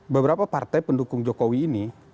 beberapa partai pendukung jokowi ini